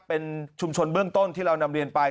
เป็นชุมชนเบื้องต้นที่เรานำเรียนไป